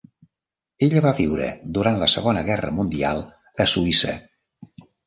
Ella va viure durant la Segona Guerra Mundial a Suïssa.